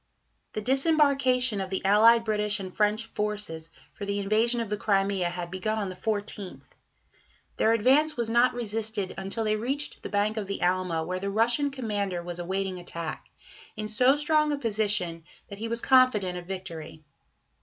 The disembarkation of the allied British and French forces for the invasion of the Crimea had begun on the 14th. Their advance was not resisted until they reached the bank of the Alma, where the Russian commander was awaiting attack, in so strong a position that he was confident of victory.